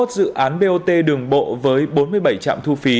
bốn mươi một dự án bot đường bộ với bốn mươi bảy trạm thu phí